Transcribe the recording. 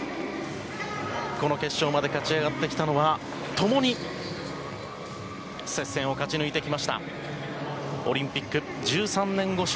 この決勝まで勝ち上がってきたのは共に接戦を勝ち抜いてきました